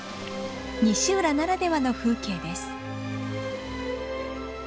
西浦ならではの風景です。